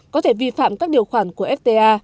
có thể vi phạm các điều khoản của fta